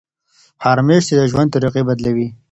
ښار میشتي د ژوند طریقې بدلوي.